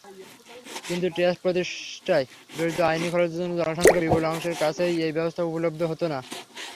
কিন্তু ট্রাস্ট প্রতিষ্ঠায় জড়িত আইনি খরচের জন্য জনসংখ্যার বিপুল অংশের কাছেই এই ব্যবস্থা উপলব্ধ হত না।